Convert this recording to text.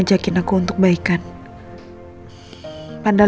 ya udah gue balik ya so